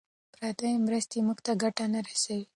پردۍ مرستې موږ ته ګټه نه رسوي.